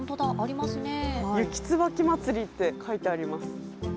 雪椿まつりって書いてあります。